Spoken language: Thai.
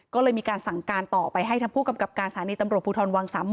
ก็เลยมีการสั่งการต่อไปให้ทั้งผู้กำกับการสถานีตำรวจภูทรวังสามหมอ